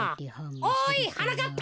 おいはなかっぱ。